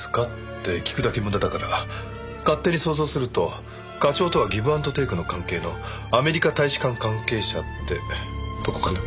って聞くだけ無駄だから勝手に想像すると課長とはギブ・アンド・テイクの関係のアメリカ大使館関係者ってとこかな？